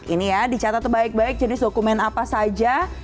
ini ya dicatat baik baik jenis dokumen apa saja